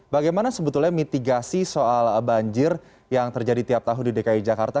bagaimana sebetulnya mitigasi soal banjir yang terjadi tiap tahun di dki jakarta